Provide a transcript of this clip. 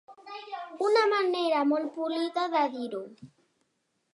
Una manera molt polida de dir-ho.